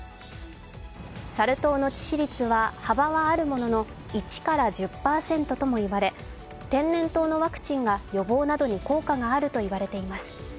サル痘の致死率は幅はあるものの１１０％とも言われ、天然痘のワクチンが予防などに効果があるといわれています。